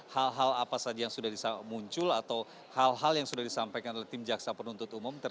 hal hal apa saja yang sudah muncul atau hal hal yang sudah disampaikan oleh tim jaksa penuntut umum